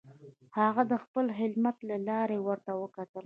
هغه د خپل هیلمټ له لارې ورته وکتل